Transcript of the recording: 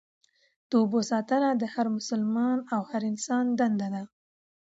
د اوبو ساتنه د هر مسلمان او هر انسان دنده ده.